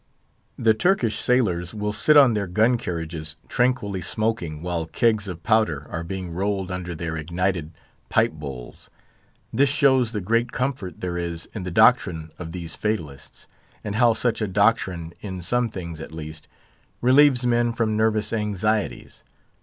The Turkish sailors will sit on their gun carriages, tranquilly smoking, while kegs of powder are being rolled under their ignited pipe bowls. This shows the great comfort there is in the doctrine of these Fatalists, and how such a doctrine, in some things at least, relieves men from nervous anxieties.